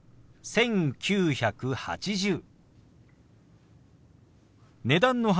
「１９８０円」。